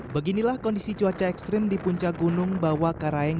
beginilah kondisi cuaca ekstrim di puncak gunung bawah karaeng